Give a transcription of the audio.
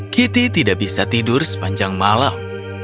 kitty tidak bisa tidur sepanjang malam